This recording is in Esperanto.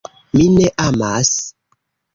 "Mi ne amas."